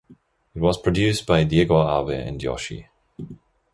It was produced by Diego Ave and Yoshi.